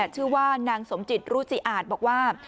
ชื่อว่านางสมจิตรุจิอาจบอกว่า